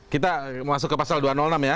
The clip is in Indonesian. kita masuk ke pasal dua ratus enam ya